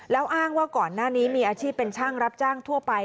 แล้วอ้างว่าก่อนหน้านี้มีอาชีพเป็นช่างรับจ้างทั่วไป